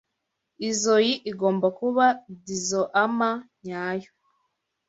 Izoi igomba kuba dizoama nyayo.